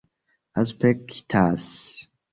aspektas